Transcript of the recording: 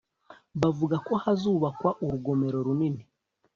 bavuga ko hazubakwa urugomero runini